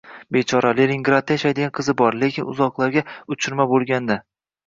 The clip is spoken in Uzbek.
Bechora! Leningradda yashaydigan qizi bor, lekin uzoqlarga uchirma boʻlgan-da.